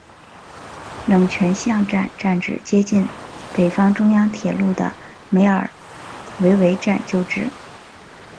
冷泉巷站站址接近北方中央铁路的梅尔维尔站旧址。